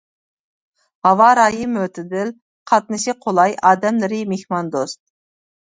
ھاۋا رايى مۆتىدىل، قاتنىشى قولاي، ئادەملىرى مېھماندوست.